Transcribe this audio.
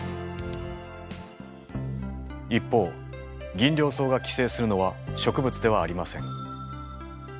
一方ギンリョウソウが寄生するのは植物ではありません。